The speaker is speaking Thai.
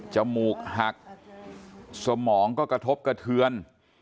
มูกหักสมองก็กระทบกระเทือน